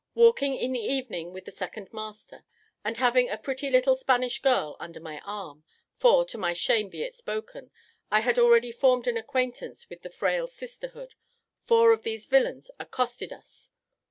Walking in the evening with the second master, and having a pretty little Spanish girl under my arm, for, to my shame be it spoken, I had already formed an acquaintance with the frail sisterhood, four of these villains accosted us.